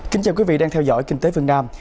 kính chào quý vị đang theo dõi kinh tế phương nam